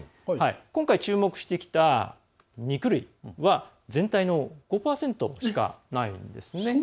今回、注目してきた肉類全体の５％しかないんですね。